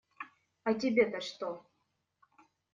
А тебе-то что?